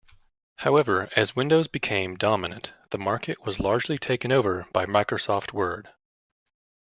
However, as Windows became dominant, the market was largely taken over by Microsoft Word.